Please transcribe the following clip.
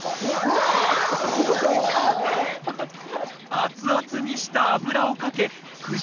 熱々にした油をかけ九条